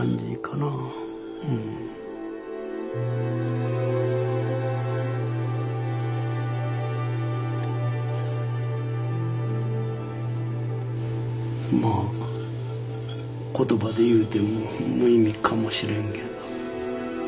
まあ言葉で言うても無意味かもしれんけど。